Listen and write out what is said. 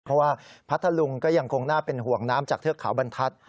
เพราะว่าพัทธลุงก็ยังคงน่าเป็นห่วงน้ำจากเทือกเขาบรรทัศน์